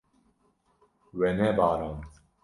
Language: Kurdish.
We nebarand.